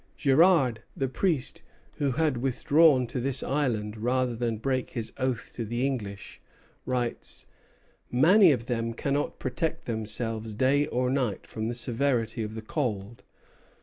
Girard, the priest who had withdrawn to this island rather than break his oath to the English, writes: "Many of them cannot protect themselves day or night from the severity of the cold.